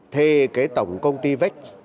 thì tổng công ty vách